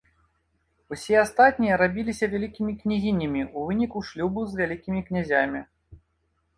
Усе астатнія рабіліся вялікімі княгінямі ў выніку шлюбу з вялікімі князямі.